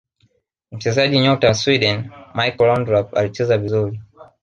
mchezaji nyota wa sweden michael laundrap alicheza vizuri